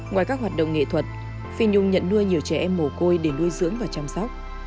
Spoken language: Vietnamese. ngoài các hoạt động nghệ thuật phi nhung nhận nuôi nhiều trẻ em mồ côi để nuôi dưỡng và chăm sóc